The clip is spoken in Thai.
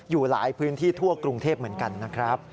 อยู่หลายพื้นที่ทั่วกรุงเทพเหมือนกันนะครับ